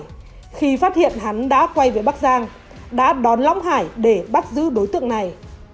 người phát hiện hắn đã quay về bắc giang đã đón long hải để bắt giữ đối tượng này